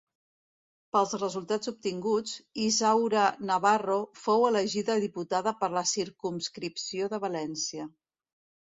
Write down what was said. Pels resultats obtinguts, Isaura Navarro fou elegida diputada per la circumscripció de València.